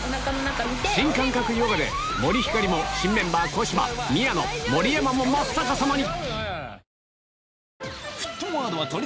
新感覚ヨガで森星も新メンバー小芝宮野盛山も真っ逆さまに！